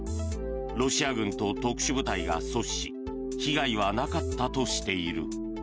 ロシア軍と特殊部隊が阻止し被害はなかったとしている。